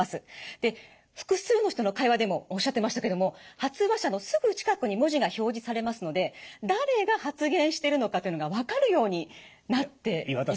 で複数の人の会話でもおっしゃってましたけども発話者のすぐ近くに文字が表示されますので誰が発言してるのかというのが分かるようになっているんです。